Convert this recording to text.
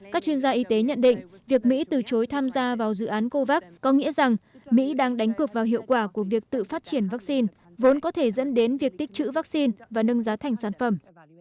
các chuyên gia y tế nhận định việc mỹ từ chối tham gia vào dự án covax có nghĩa rằng mỹ đang đánh cực vào hiệu quả của việc tự phát triển vaccine vốn có thể dẫn đến việc tích trữ vaccine và nâng giá thành sản phẩm